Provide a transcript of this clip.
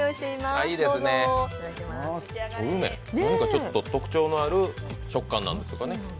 何かちょっと特徴のある食感なんですかね。